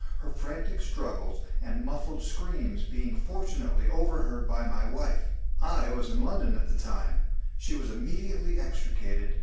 Her frantic struggles and muffled screams being, fortunately, overheard by my wife (I was in London at the time), she was immediately extricated.